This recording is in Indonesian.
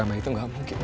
gak gak itu gak mungkin